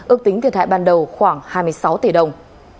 ước tính thiệt hại ban đầu khoảng hai mươi sáu tỷ đồng